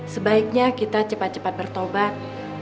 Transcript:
sebaiknya kita cepat cepat bertobat